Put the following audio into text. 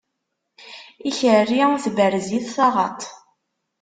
Ikerri tberrez-it taɣaṭ.